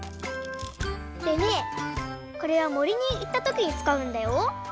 でねこれはもりにいったときにつかうんだよ。